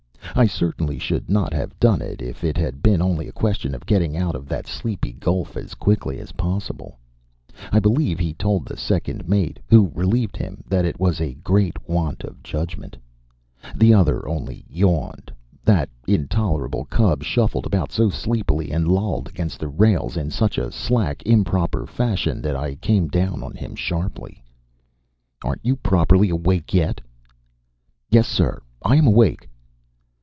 I certainly should not have done it if it had been only a question of getting out of that sleepy gulf as quickly as possible. I believe he told the second mate, who relieved him, that it was a great want of judgment. The other only yawned. That intolerable cub shuffled about so sleepily and lolled against the rails in such a slack, improper fashion that I came down on him sharply. "Aren't you properly awake yet?" "Yes, sir! I am awake."